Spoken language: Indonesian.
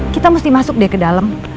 kita mesti masuk deh ke dalam